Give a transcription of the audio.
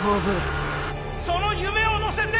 その夢を乗せて。